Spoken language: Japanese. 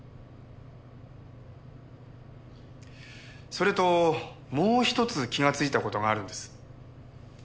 それともう一つ気がついた事があるんです。